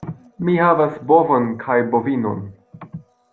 Mi havas bovon kaj bovinon.